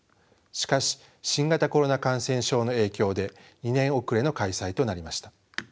しかし新型コロナ感染症の影響で２年遅れの開催となりました。